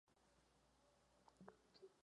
Dva křižníky byly zničeny za druhé světové války.